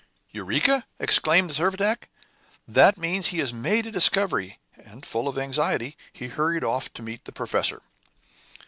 '" "Eureka?" exclaimed Servadac. "That means he has made a discovery;" and, full of anxiety, he hurried off to meet the professor.